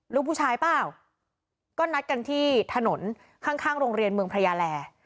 ลูกผู้ชายเปล่าก็นัดกันที่ถนนข้างข้างโรงเรียนเมืองพระยาแล